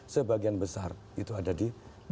sebagian besar itu ada di